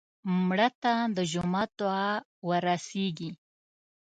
مړه ته د جومات دعا ورسېږي